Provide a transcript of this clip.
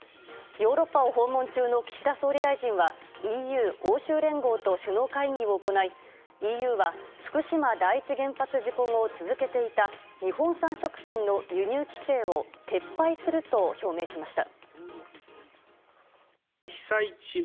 ヨーロッパを訪問中の岸田総理大臣はＥＵ・欧州連合と首脳会議を行いＥＵは福島第一原発事故後続けていた日本産食品の輸入規制を撤廃すると表明しました。